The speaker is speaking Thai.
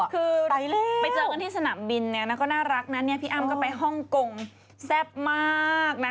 คือไปเจอกันที่สนามบินก็น่ารักนะพี่อ้ำก็ไปฮ่องกงแซ่บมากนะ